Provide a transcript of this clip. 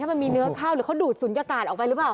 มันมีเนื้อข้าวหรือเขาดูดศูนยากาศออกไปหรือเปล่า